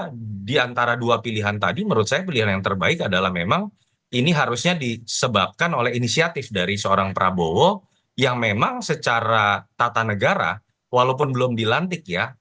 karena di antara dua pilihan tadi menurut saya pilihan yang terbaik adalah memang ini harusnya disebabkan oleh inisiatif dari seorang prabowo yang memang secara tata negara walaupun belum dilantik ya